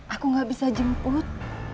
aku gak bisa jemput